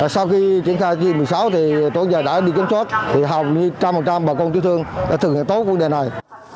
sau khi triển khai thứ một mươi sáu tổ nhà đã đi kiểm soát hầu như một trăm linh bà quân chủ thương đã thực hiện tốt vấn đề này